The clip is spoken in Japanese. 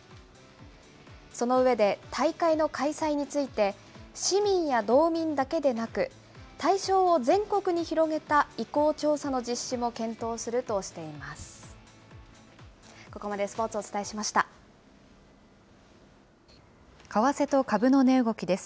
その上で、大会の開催について、市民や道民だけでなく、対象を全国に広げた意向調査の実施も検討するとしています。